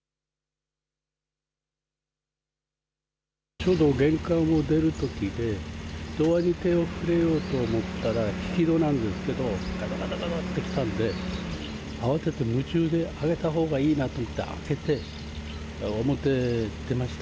ちょうど玄関を出るときで、ドアに手を触れようと思ったら、引き戸なんですけど、がたがたがたって来たんで、慌てて夢中で開けたほうがいいなと思って、開けて、表へ出ました。